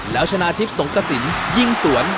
แล้วชนะทิพย์สงกระสินยิงสวน